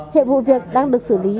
hiện vụ việc đang được xử lý